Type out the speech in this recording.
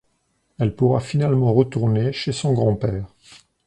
Elle pourra finalement retourner chez son grand-père.